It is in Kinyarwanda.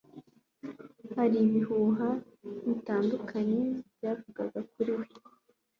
Hari ibihuha bitandukanye byavugaga kuri we.